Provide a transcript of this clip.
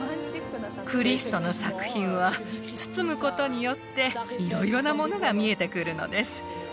クリストの作品は包むことによって色々なものが見えてくるのです